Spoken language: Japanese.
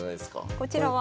こちらは？